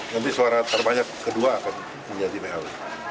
nanti suara terbanyak kedua akan menjadi bl